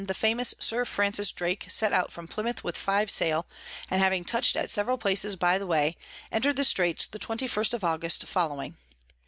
the famous Sir Francis Drake set out from Plymouth with five Sail, and having touch'd at several places by the way, enter'd the Straits the 21_st_ of August following.